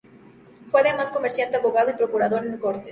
Fue además Comerciante, Abogado y Procurador en Cortes.